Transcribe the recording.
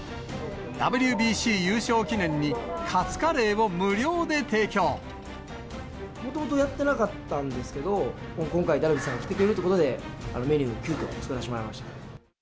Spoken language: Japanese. ＷＢＣ優勝記念に、カツカレもともとやってなかったんですけど、今回、ダルビッシュさんが来てくれるっていうことで、メニュー、急きょ作らせてもらいました。